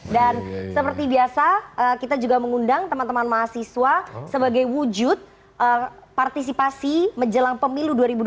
dan seperti biasa kita juga mengundang teman teman mahasiswa sebagai wujud partisipasi menjelang pemilu dua ribu dua puluh empat